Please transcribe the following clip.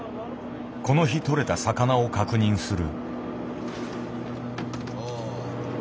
この日とれた魚を確認する。